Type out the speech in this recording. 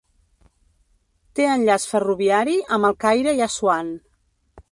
Té enllaç ferroviari amb El Caire i Assuan.